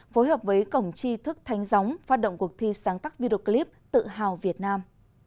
phối hợp với cổng tri thức thánh gióng phát động cuộc thi sáng tắt videoclip tự hào việt nam